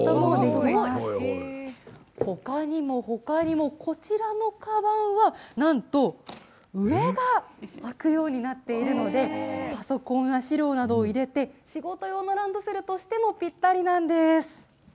すごい。ほかにもこちらのかばんはなんと上が開くようになっているのでパソコンや資料などを入れて仕事用のランドセルとしてもぴったりなんです。